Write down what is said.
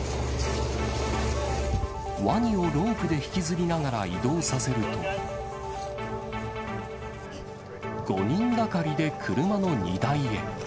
ワニをロープで引きずりながら移動させると、５人がかりで車の荷台へ。